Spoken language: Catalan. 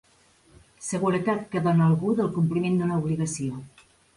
Seguretat que dóna algú del compliment d'una obligació.